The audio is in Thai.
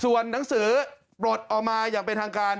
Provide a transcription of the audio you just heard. ส่วนหนังสือปลดออกมาอย่างเป็นทางการ